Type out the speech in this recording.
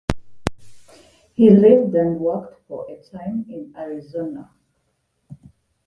He lived and worked for a time in Arizona.